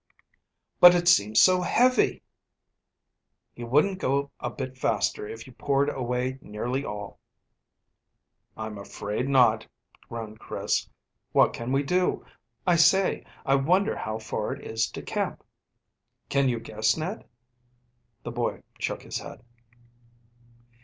"But it seems so heavy." "He wouldn't go a bit faster if you poured away nearly all." "I'm afraid not," groaned Chris. "What can we do? I say, I wonder how far it is to camp. Can you guess, Ned?" The boy shook his head.